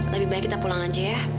lebih baik kita pulang aja ya